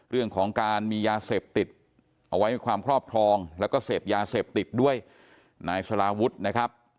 เรื่องของการมียาเสพติดเอาไว้ในความครอบครองแล้วก็เสพยาเสพติดด้วยนายสลาวุฒินะครับ